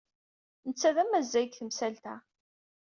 Netta d amazzay deg temsalt-a.